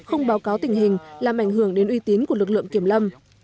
không báo cáo tình hình làm ảnh hưởng đến uy tín của lực lượng kiểm lâm